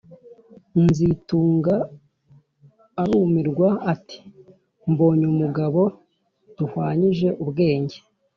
Nzitunga arumirwa ati: “Mbonye umugabo duhwanyije ubwenge